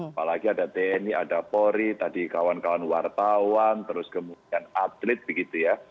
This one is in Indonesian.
apalagi ada tni ada pori tadi kawan kawan wartawan terus kemudian atlet begitu ya